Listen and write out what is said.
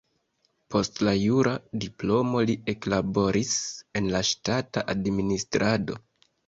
Post la jura diplomo li eklaboris en la ŝtata administrado.